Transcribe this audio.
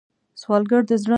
سوالګر د زړه نه دعا کوي